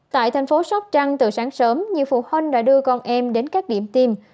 tại thành phố sóc trăng từ sáng sớm nhiều phụ huynh đã đưa con em đến các điểm tiêm